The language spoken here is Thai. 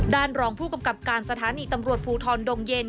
รองผู้กำกับการสถานีตำรวจภูทรดงเย็น